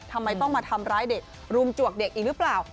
ทำไมต้องมาทำร้ายเด็กรุมจวกเด็กอีกหรือเปล่า